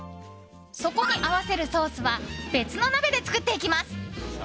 そこに合わせるソースは別の鍋で作っていきます。